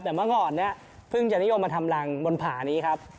แต่เมื่อก่อนเนี่ยเพิ่งจะนิยมมาทำรังบนผานี้ครับ